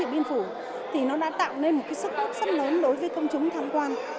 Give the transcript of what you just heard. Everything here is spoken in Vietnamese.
thì nó đã tạo nên một sức ước rất lớn đối với công chúng tham quan